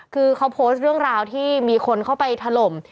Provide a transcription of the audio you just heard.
คือเขาโพสต์เรื่องราวที่มีคนเข้าไปถล่ม